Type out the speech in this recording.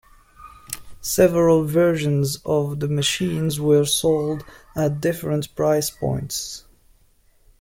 Several versions of the machines were sold at different price points.